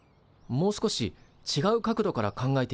もう少しちがう角度から考えてみるのはどう？